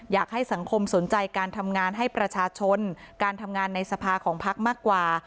อยากให้สังคมสนใจการทำงานให้ประชาชนการทำงานในสภาของพักมากกว่า